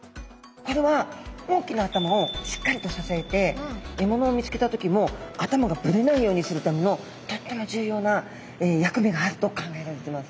これは大きな頭をしっかりと支えて獲物を見つけた時も頭がぶれないようにするためのとっても重要な役目があると考えられてます。